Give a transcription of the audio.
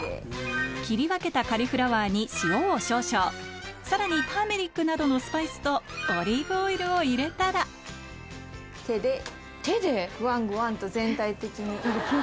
切り分けたカリフラワーに塩を少々さらにターメッリクなどのスパイスとオリーブオイルを入れたら手でぐわんぐわんと全体的に。